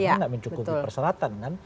karena gak mencukupi perseratan kan